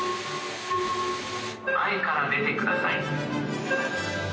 前から出てください。